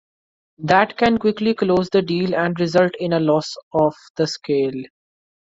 That can quickly close the deal and result in a loss of the sale.